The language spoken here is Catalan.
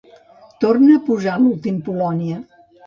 Torna a posar l'últim "Polònia".